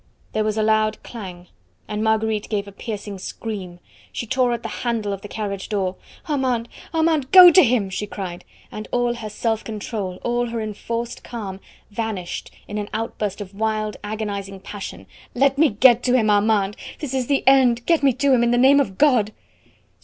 There was a loud clang, and Marguerite gave a piercing scream. She tore at the handle of the carriage door. "Armand, Armand, go to him!" she cried; and all her self control, all her enforced calm, vanished in an outburst of wild, agonising passion. "Let me get to him, Armand! This is the end; get me to him, in the name of God!"